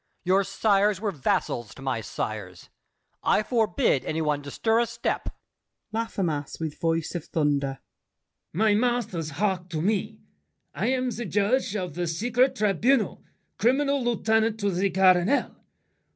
Your sires were vassals to my sires. I forbid any one to stir a step. LAFFEMAS (with voice of thunder). My masters, hark to me: I am the judge Of the secret tribunal, Criminal Lieutenant to the Cardinal.